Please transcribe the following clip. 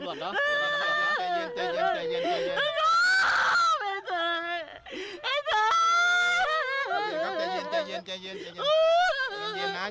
พอแล้วพอแล้วพอแล้วพอแล้วเดี๋ยวเดี๋ยวรอสำหรวดเดี๋ยวรอสำหรวดเนาะ